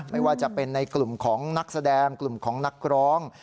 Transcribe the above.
ไม่ว่าจะเป็นในกลุ่มของนักแสดงกลุ่มของนักร้อง